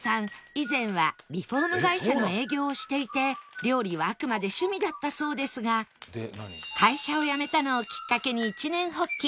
以前はリフォーム会社の営業をしていて料理はあくまで趣味だったそうですが会社を辞めたのをきっかけに一念発起